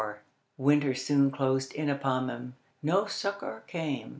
Page 252"] Winter soon closed in upon them. No succour came.